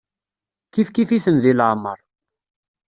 Kifkif-iten di leɛmeṛ.